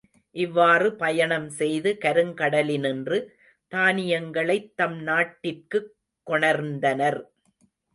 இவ்வாறு பயணம் செய்து கருங்கடலின்று தானியங்களைத் தம் நாட்டிற்குக் கொணர்ந்தனர்.